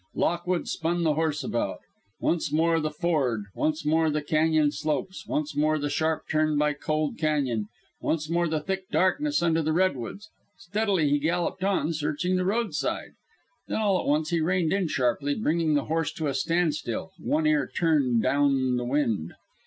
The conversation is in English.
Lockwood spun the horse about. Once more the ford, once more the cañon slopes, once more the sharp turn by Cold Cañon, once more the thick darkness under the redwoods. Steadily he galloped on, searching the roadside. Then all at once he reined in sharply, bringing the horse to a standstill, one ear turned down the wind.